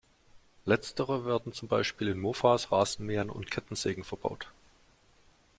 Letztere werden zum Beispiel in Mofas, Rasenmähern und Kettensägen verbaut.